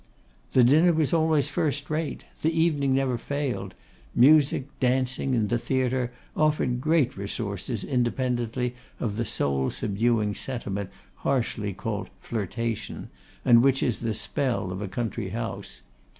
The dinner was always firstrate; the evening never failed; music, dancing, and the theatre offered great resources independently of the soul subduing sentiment harshly called flirtation, and which is the spell of a country house.